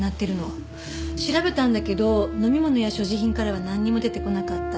調べたんだけど飲み物や所持品からはなんにも出てこなかった。